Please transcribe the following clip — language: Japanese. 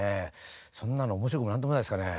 そんなの面白くも何ともないですかね。